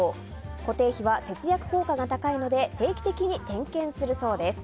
固定費は節約効果が高いので定期的に点検するそうです。